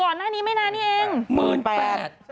ก่อนหน้านี้ไม่นานนี้เอง๑๘๐๐บาท